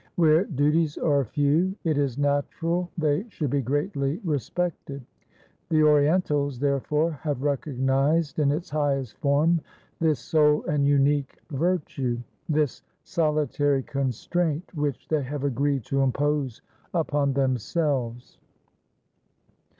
Where duties are few, it is natural they should be greatly respected. The Orientals, therefore, have recognized in its highest form this sole and unique virtue, this solitary constraint which they have agreed to impose upon themselves.